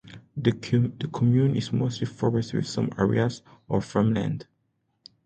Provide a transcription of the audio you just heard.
The commune is mostly forest with some areas of farmland.